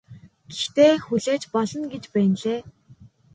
Гэхдээ хүлээж болно гэж байна билээ.